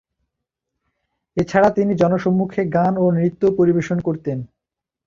এছাড়া তিনি জনসম্মুখে গান ও নৃত্য পরিবেশন করতেন।